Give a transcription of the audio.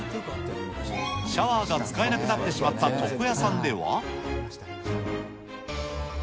シャワーが使えなくなってしまった床屋さんでは。